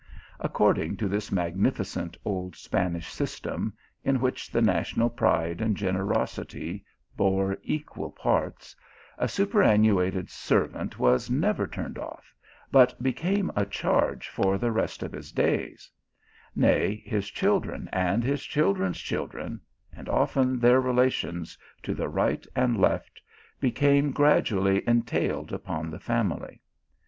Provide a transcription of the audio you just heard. xN According to this magnificent old Spanish system, in which the national pride and generosity bore equal parts, a superannuated serv ant was never turned off, but became a charge for the rest of his days ; nay, his children, and his chil dren s children, and often their relations, to the right and left, became gradually entailed upon the family.